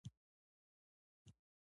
ځنګنونه یې پر تيږو ولګېدل.